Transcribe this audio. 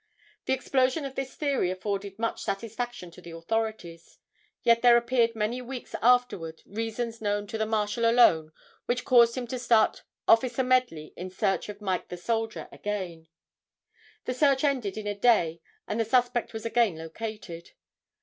The explosion of this theory afforded much satisfaction to the authorities. Yet there appeared many weeks afterward reasons known to the Marshal alone which caused him to start Officer Medley in search of "Mike the Soldier" again. The search ended in a day and the suspect was again located.